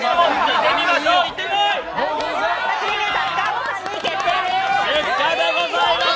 出荷でございます！